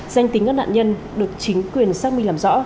danh tính các nạn nhân được chính quyền xác minh làm rõ